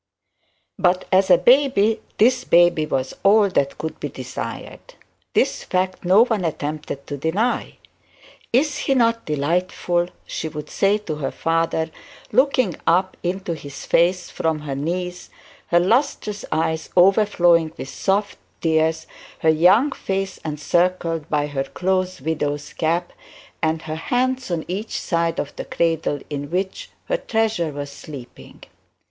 But, as a baby, this baby was all that could be desired. This fact no one attempted to deny. 'Is he not delightful?' she would say to her father, looking into his face from her knees, he lustrous eyes overflowing with soft tears, her young face encircled by her close widow's cap and her hands on each side of the cradle in which her treasure was sleeping.